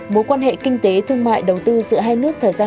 mối quan hệ kinh tế thương mại đầu tư giữa hai nước thời gian qua